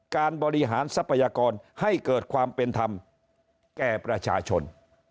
การบริหารทรัพยากรให้เกิดความเป็นธรรมแก่ประชาชน